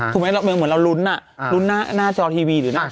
ถูกไหมเหมือนเรารุ้นลุ้นหน้าจอทีวีหรือหน้า